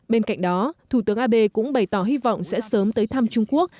bên cạnh đó thủ tướng abe cũng bày tỏ hy vọng sẽ sớm tới thăm trung quốc